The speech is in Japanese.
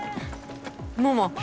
ママ。